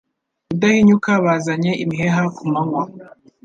Rudahinyuka bazanye imiheha kumanywa